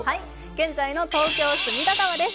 現在の東京・隅田川です。